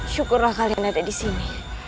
syukurlah kalian ada disini